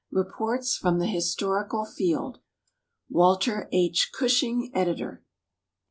Reports from the Historical Field WALTER H. CUSHING, Editor.